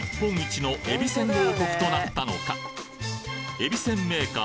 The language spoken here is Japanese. えびせんメーカー